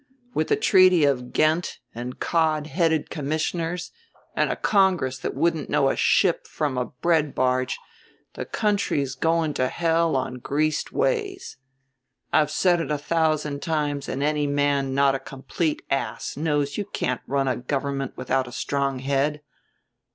With the Treaty of Ghent and cod headed commissioners and a Congress that wouldn't know a ship from a bread barge the country's going to hell on greased ways! I've said it a thousand times and any man not a complete ass knows that you can't run a government without a strong head.